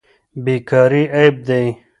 بیکاري عیب دی.